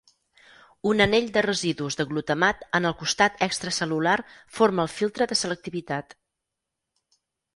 Un anell de residus de glutamat en el costat extracel·lular forma el filtre de selectivitat.